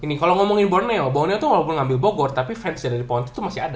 ini kalau ngomongin borneo bornel tuh walaupun ngambil bogor tapi fansnya dari pohon itu masih ada